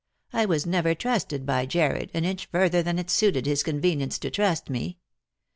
I was never trusted by Jarred an inch further than it suited his convenience to trust me.